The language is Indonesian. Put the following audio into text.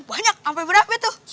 banyak ampe berapa tuh